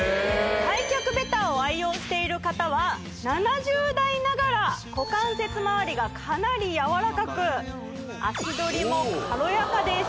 開脚ベターを愛用している方は７０代ながら股関節まわりがかなり柔らかく足取りも軽やかです